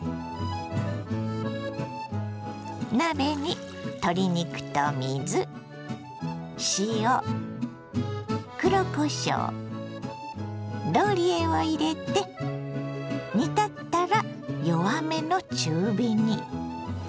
鍋に鶏肉と水塩黒こしょうローリエを入れて煮立ったら弱めの中火に。